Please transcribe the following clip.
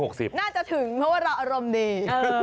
น่าจะถึงเพราะว่าเราอารมณ์ดี